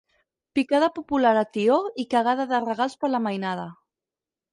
Picada popular a tió i cagada de regals per la mainada.